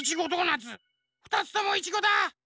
２つともいちごだ！